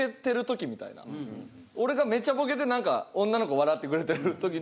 俺がめっちゃボケて女の子笑ってくれてる時に。